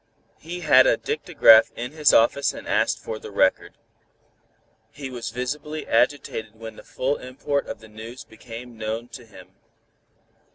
He had a dictagraph in his office and asked for the record. He was visibly agitated when the full import of the news became known to him.